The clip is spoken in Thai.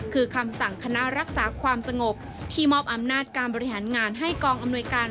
คือคำสั่งคณะรักษาความสงบที่มอบอำนาจการบริหารงานให้กองอำนวยการ